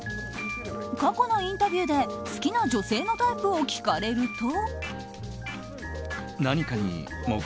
過去のインタビューで好きな女性のタイプを聞かれると。